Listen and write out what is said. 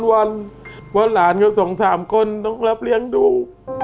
เพราะหลานก็สองสามคนต้องรับเลี้ยงดู